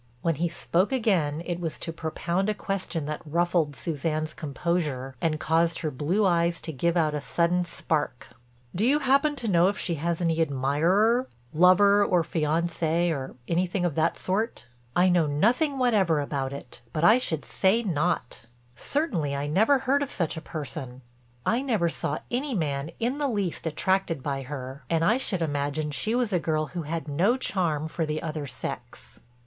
When he spoke again it was to propound a question that ruffled Suzanne's composure and caused her blue eyes to give out a sudden spark: "Do you happen to know if she has any admirer—lover or fiancé or anything of that sort?" "I know nothing whatever about it, but I should say not. Certainly I never heard of such a person. I never saw any man in the least attracted by her and I should imagine she was a girl who had no charm for the other sex." Mr.